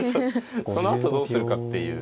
そのあとどうするかっていう。